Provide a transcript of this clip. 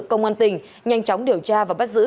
công an tỉnh nhanh chóng điều tra và bắt giữ